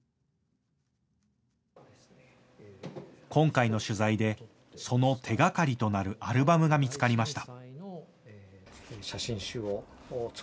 今回の取材でその手がかりとなるアルバムが見つかりました。